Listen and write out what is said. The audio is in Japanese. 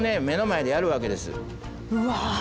目の前でやるわけですうわ。